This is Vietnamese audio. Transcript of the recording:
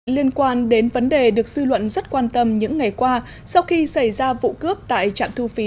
liên quan đến vấn đề được dư luận rất quan tâm những ngày qua sau khi xảy ra vụ cướp tại trạm thu phí